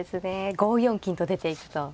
５四金と出ていくと。